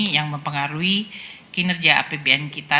yang mempengaruhi kinerja apbn kita